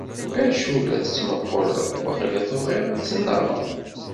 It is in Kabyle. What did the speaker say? acu la tettmuquleḍ? waqila tebɣiḍ ad tennaɣeḍ!